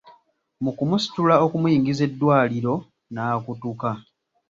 Mu kumusitula okumuyingiza eddwaliro n’akutuka.